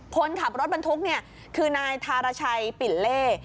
คนขับรถบรรทุกเนี่ยคือนายธารชัยปิ่นเล่